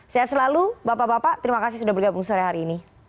sehat selalu bapak bapak terima kasih sudah bergabung sore hari ini